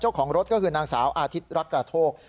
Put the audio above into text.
เจ้าของรถก็คือนางสาวอาทิตย์รักกระโทก